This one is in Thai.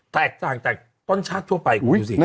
แต่ต้นชาติทั่วไป